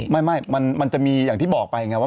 ไม่มันจะมีอย่างที่บอกไปไงว่า